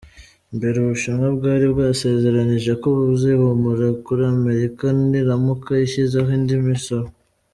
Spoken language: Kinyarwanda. Mbere, Ubushinwa bwari bwasezeranyije ko buzihimura kuri Amerika niramuka ishyizeho indi misoro.